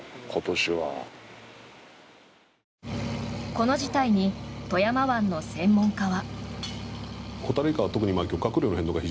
この事態に富山湾の専門家は。